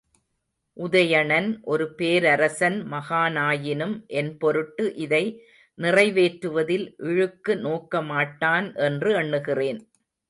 உதயணன் ஒரு பேரரசன் மகனாயினும், என் பொருட்டு இதை நிறைவேற்றுவதில் இழுக்கு நோக்கமாட்டான் என்று எண்ணுகிறேன்.